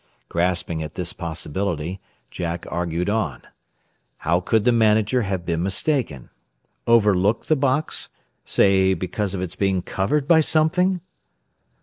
Grasping at this possibility, Jack argued on. How could the manager have been mistaken? Overlooked the box, say because of its being covered by something?